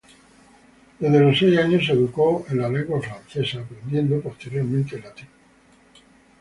Desde los seis años se educó en lengua francesa, aprendiendo posteriormente latín.